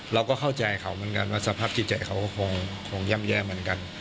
เราก็เข้าใจเขาเหมือนกันว่าสภาพจิตใจเขาก็คงย่ำแย่เหมือนกัน